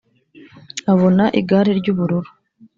abona igare ry'ubururu